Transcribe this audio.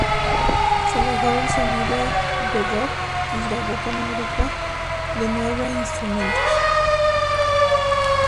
Se alejó del sonido bebop y grabó con un grupo de nueve instrumentos.